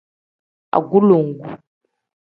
Agulongu.